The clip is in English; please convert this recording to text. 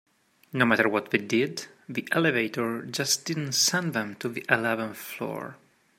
No matter what they did, the elevator just didn't send them to the eleventh floor.